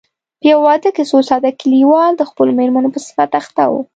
په يوه واده کې څو ساده کليوال د خپلو مېرمنو په صفت اخته وو.